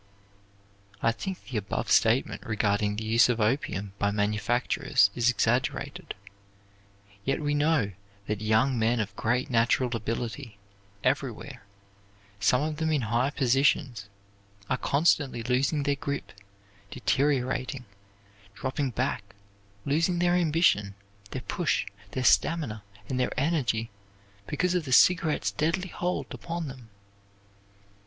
I think the above statement regarding the use of opium by manufacturers is exaggerated. Yet we know that young men of great natural ability, everywhere, some of them in high positions, are constantly losing their grip, deteriorating, dropping back, losing their ambition, their push, their stamina, and their energy, because of the cigarette's deadly hold upon them.